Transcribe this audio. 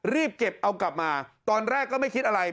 รีบเก็บเอากลับมาตอนแรกก็ไม่คิดอะไร